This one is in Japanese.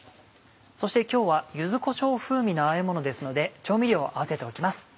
そして今日は柚子こしょう風味のあえものですので調味料を合わせておきます。